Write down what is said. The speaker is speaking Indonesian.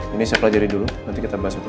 ini saya pelajari dulu nanti kita bahas itu